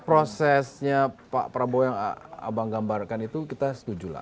prosesnya pak prabowo yang abang gambarkan itu kita setuju lah